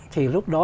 thì lúc đó